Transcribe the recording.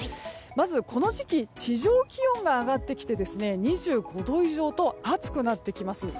まず、この時期地上気温が上がってきて２５度以上と暑くなってきます。